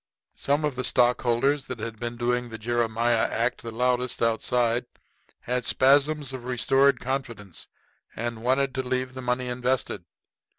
Some of the stockholders that had been doing the Jeremiah act the loudest outside had spasms of restored confidence and wanted to leave the money invested.